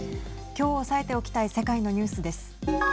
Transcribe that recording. きょう押さえておきたい世界のニュースです。